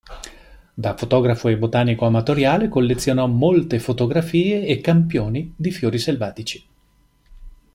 Da fotografo e botanico amatoriale, collezionò molte fotografie e campioni di fiori selvatici.